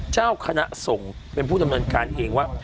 เจ้าคณะส่งเป็นผู้ดำเนินการเองว่า